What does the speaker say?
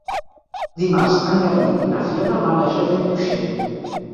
Dimarts en Garbí i na Fiona van a Josa i Tuixén.